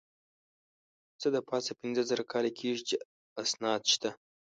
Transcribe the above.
څه د پاسه پینځه زره کاله کېږي چې اسناد شته.